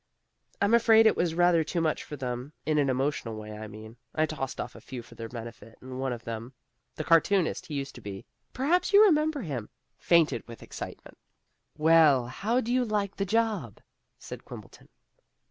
"I'm afraid it was rather too much for them in an emotional way, I mean. I tossed off a few for their benefit, and one of them the cartoonist he used to be, perhaps you remember him fainted with excitement." "Well, how do you like the job?" said Quimbleton.